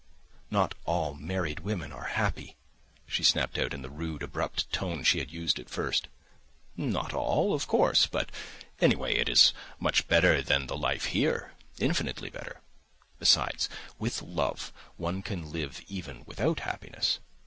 "Not all married women are happy," she snapped out in the rude abrupt tone she had used at first. "Not all, of course, but anyway it is much better than the life here. Infinitely better. Besides, with love one can live even without happiness.